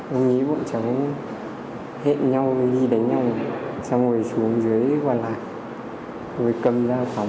con nghĩ bọn cháu hẹn nhau đi đánh nhau xong rồi xuống dưới hoa lạc rồi cầm ra phóng đi đánh nhau